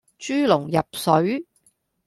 豬籠入水